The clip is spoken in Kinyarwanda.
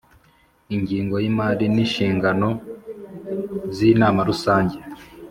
ingingo y imari n inshingano z inama rusange